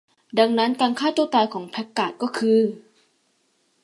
ดังนั้นการฆ่าตัวตายของแพคการ์ดก็คือ